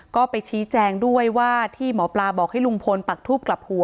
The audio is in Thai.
ก็ไปชี้แจงด้วยว่าที่หมอปลาบอกให้ลุงพลปักทูบกลับหัว